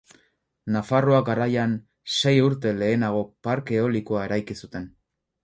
Nafarroa Garaian sei urte lehenago parke eolikoa eraiki zuten.